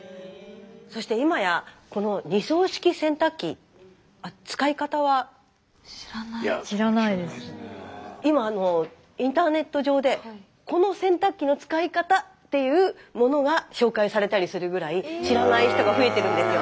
そして今や今インターネット上でこの洗濯機の使い方っていうものが紹介されたりするぐらい知らない人が増えてるんですよ。